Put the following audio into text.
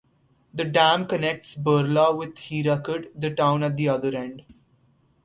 The dam connects Burla with Hirakud, the town at the other end.